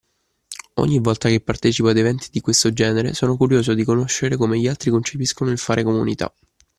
Ogni volta che partecipo ad eventi di questo genere sono curioso di conoscere come gli altri concepiscono il fare Comunità